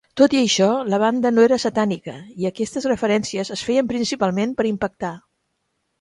Tot i això, la banda no era satànica, i aquestes referències es feien principalment per impactar.